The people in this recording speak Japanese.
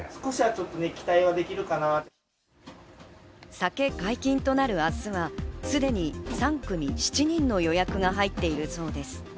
酒解禁となる明日は、すでに３組７人の予約が入っているそうです。